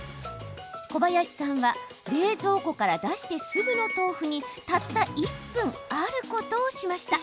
小林さんは冷蔵庫から出してすぐの豆腐にたった１分、あることをしました。